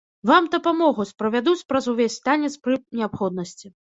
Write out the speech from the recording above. Вам дапамогуць, правядуць праз увесь танец пры неабходнасці.